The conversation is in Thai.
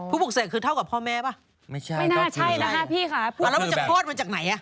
ผู้ปลุกเสกคือเท่ากับพ่อแม่ป่ะไม่น่าใช่นะฮะพี่ค่ะแล้วมันจะโฆษณ์มันจากไหนอ่ะ